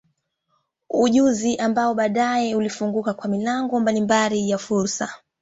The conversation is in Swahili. Ujuzi ambao baadaye ulimfunguka kwa milango mbalimbali ya fursa.